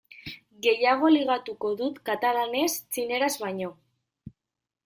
Gehiago ligatuko dut katalanez txineraz baino.